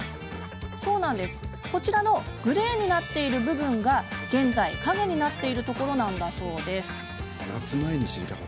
こちらのグレーになっている部分が現在、陰になっているところなんだそうです。